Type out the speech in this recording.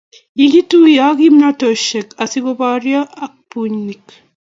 Kikituyo kimnatosiek asi koboryo ak bunik